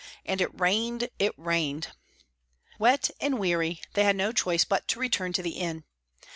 And it rained, it rained. Wet and weary, they had no choice but to return to the inn.